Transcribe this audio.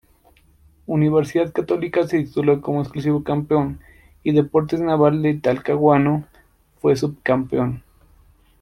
Universidad Católica se tituló como exclusivo campeón y Deportes Naval de Talcahuano fue sub-campeón.